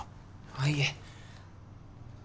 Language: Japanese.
あっいえ。